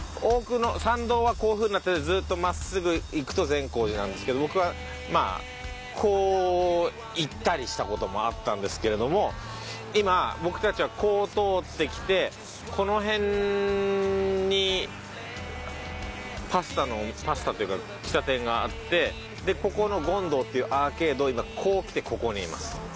参道はこういうふうになってずっと真っすぐ行くと善光寺なんですけど僕はまあこう行ったりした事もあったんですけれども今僕たちはこう通ってきてこの辺にパスタのパスタというか喫茶店があってでここの権堂っていうアーケードを今こう来てここにいます。